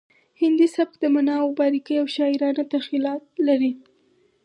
هندي سبک د معناوو باریکۍ او شاعرانه تخیلات لري